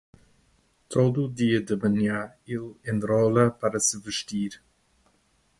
Todo dia de manhã ele enrola para se vestir.